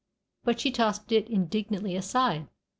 But she tossed it indignantly aside.